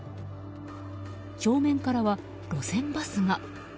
正面からは路線バスが。